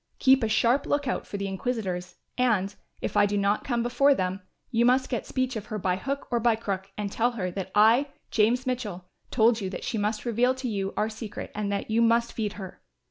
Keep a sharp look out for the inquisitors and, if I do not come before them, you must get speech of her by hook or by crook and tell her that I, James Mitchell, told you that she must reveal to you our secret and that you must feed her.